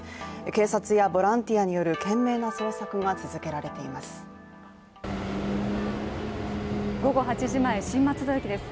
警察やボランティアによる懸命な捜索が続けられています。